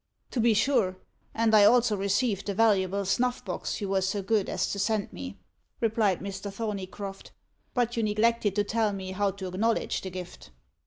"To be sure; and I also received the valuable snuffbox you were so good as to send me," replied Mr. Thorneycroft. "But you neglected to tell me how to acknowledge the gift."